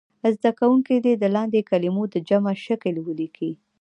زده کوونکي دې د لاندې کلمو د جمع شکل ولیکي.